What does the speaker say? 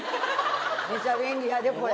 めちゃ便利やでこれ。